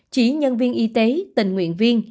chỉ nhân viên y tế tình nguyện viên